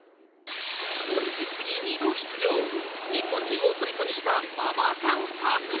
オリンピックに２度出場日本中をとりこにしたママさんアスリート